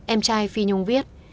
em trai phi nhung viết